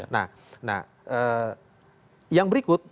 nah yang berikut